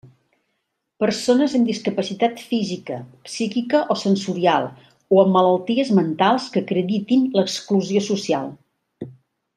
Persones amb discapacitat física, psíquica o sensorial o amb malalties mentals que acreditin l'exclusió social.